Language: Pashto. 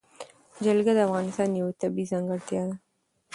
جلګه د افغانستان یوه طبیعي ځانګړتیا ده.